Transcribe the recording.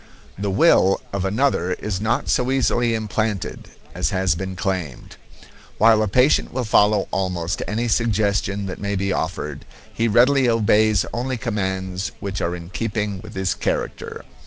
The will of another is not so easily implanted as has been claimed. While a patient will follow almost any suggestion that may be offered, he readily obeys only commands which are in keeping with his character.